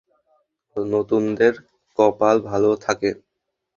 নতুনদের কপাল ভালো থাকে।